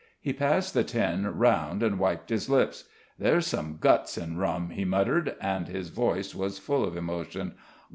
He passed the tin round and wiped his lips. "There's some guts in rum," he muttered, and his voice was full of emotion.